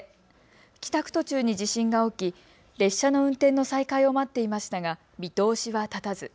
帰宅途中に地震が起き列車の運転の再開を待っていましたが見通しは立たず。